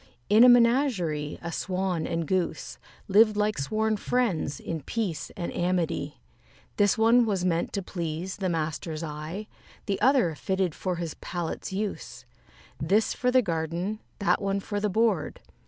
In a menagerie a Swan and Goose Lived like sworn friends, in peace and amity. This one was meant to please the master's eye, The other fitted for his palate's use: This for the garden, that one for the board.